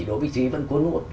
đỗ bích thúy vẫn cuốn nguộn